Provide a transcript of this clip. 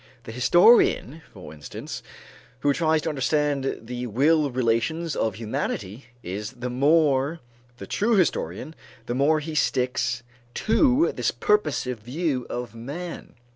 The historian, for instance, who tries to understand the will relations of humanity, is the more the true historian the more he sticks to this purposive view of man.